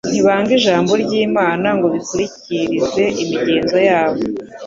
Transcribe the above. Ntibanga Ijambo ry'Imana ngo bikurikirize imigenzo yabo?